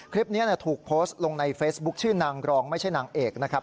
คลิปนี้ถูกโพสต์ลงในเฟซบุ๊คชื่อนางรองไม่ใช่นางเอกนะครับ